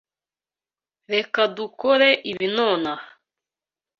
Reka dukore ibi nonaha.